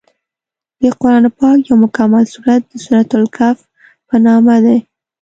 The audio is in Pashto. د قران پاک یو مکمل سورت د سورت الکهف په نامه دی.